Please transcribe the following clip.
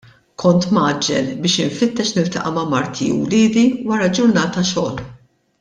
Kont mgħaġġel biex infittex niltaqa' ma' marti u wliedi wara ġurnata xogħol.